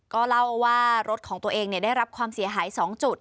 ก็เล่าว่ารถของตัวเองได้รับความเสียหาย๒จุด